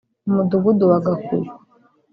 Umudugudu wa Gakuyu